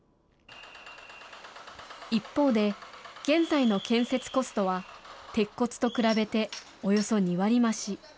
一方で、現在の建設コストは、鉄骨と比べておよそ２割増し。